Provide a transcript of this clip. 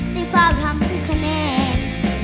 ที่ฝ้ามทั้งทุกคะแนน